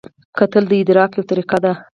کتل د ادراک یوه طریقه ده